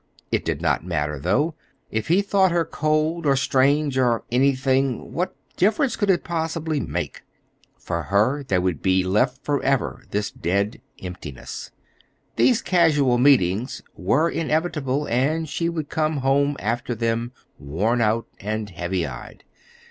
It did not matter, though; if he thought her cold or strange or anything, what difference could it possibly make? For her there would be left forever this dead emptiness. These casual meetings were inevitable; and she would come home after them worn out and heavy eyed.